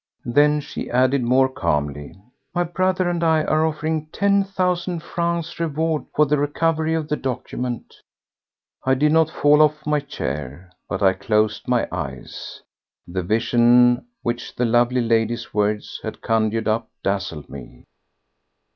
Then she added more calmly: "My brother and I are offering ten thousand francs reward for the recovery of the document." I did not fall off my chair, but I closed my eyes. The vision which the lovely lady's words had conjured up dazzled me.